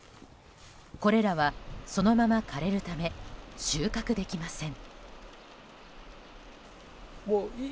これらは、そのまま枯れるため収穫できません。